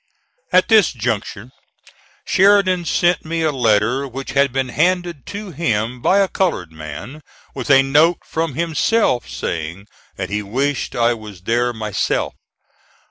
At this juncture Sheridan sent me a letter which had been handed to him by a colored man, with a note from himself saying that he wished I was there myself.